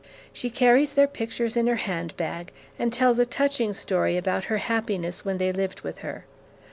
She carries their pictures in her hand bag and tells a touching story about her happiness when they lived with her.'